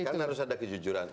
kan harus ada kejujuran